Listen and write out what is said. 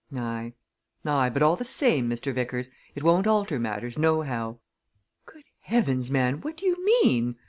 Aye aye but all the same, Mr. Vickers, it don't alter matters no how!" "Good heavens, man, what do you mean?"